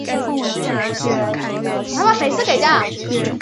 纹胸奥蛛为卵形蛛科奥蛛属的动物。